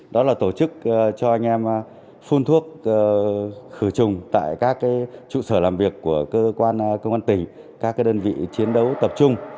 đó là tổ chức cho anh em phun thuốc khử trùng tại các trụ sở làm việc của cơ quan công an tỉnh các đơn vị chiến đấu tập trung